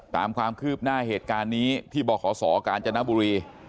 ตามความคืบหน้าเหตุการณ์นี้ที่บขศกาญจนบุรี